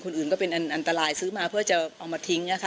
อื่นก็เป็นอันตรายซื้อมาเพื่อจะเอามาทิ้ง